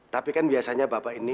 tapi kan biasanya bapak ini